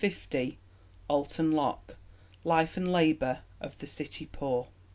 Alton Locke (life and labour of the city poor).